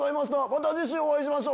また次週お会いしましょう。